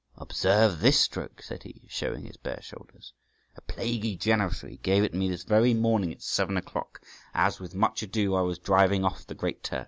"Observe this stroke," said he, showing his bare shoulders; "a plaguy janissary gave it me this very morning at seven o'clock, as, with much ado, I was driving off the Great Turk.